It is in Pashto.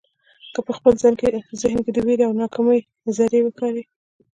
که په خپل ذهن کې د وېرې او ناکامۍ زړي وکرئ.